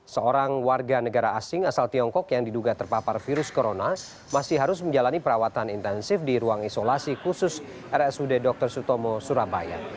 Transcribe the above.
seorang warga negara asing asal tiongkok yang diduga terpapar virus corona masih harus menjalani perawatan intensif di ruang isolasi khusus rsud dr sutomo surabaya